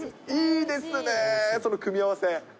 いいですね、その組み合わせ。